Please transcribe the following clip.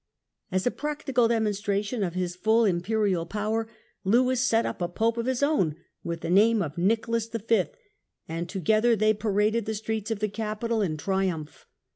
As a practical demonstration of his full Imperial power, Lewis set up a Pope of his own with the name of Nicholas V., and together they paraded the streets of the capital in triumph.